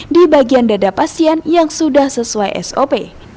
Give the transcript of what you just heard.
di bagian dada pasien yang sudah sesuai sop